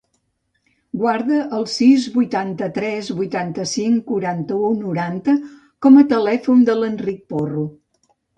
Guarda el sis, vuitanta-tres, vuitanta-cinc, quaranta-u, noranta com a telèfon de l'Enric Porro.